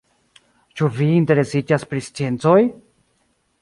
Ĉu vi interesiĝas pri sciencoj?